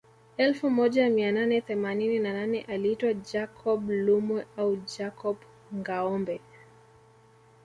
Elfu moja mia nane themanini na nane aliitwa Jacob Lumwe au Jacob Ngâombe